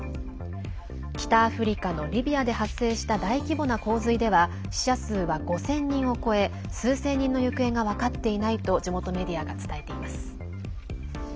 北アフリカのリビアで発生した大規模な洪水では死者数は５０００人を超え数千人の行方が分かっていないと地元メディアが伝えています。